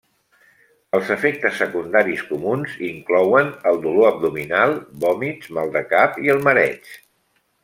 Els efectes secundaris comuns inclouen el dolor abdominal, vòmits, mal de cap i el mareig.